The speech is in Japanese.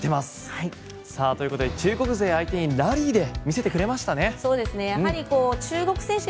中国勢相手に見せてくれましたね。